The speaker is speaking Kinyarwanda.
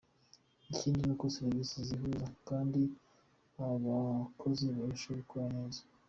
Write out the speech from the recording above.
Ikindi ni uko serivisi zizihuta kandi abakozi barusheho gukora neza.